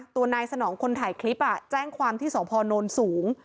ตัวนายสนองคนถ่ายคลิปแจ้งความที่สพนสูง